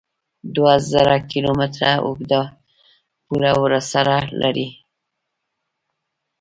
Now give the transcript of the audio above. دوه زره کیلو متره اوږده پوله ورسره لري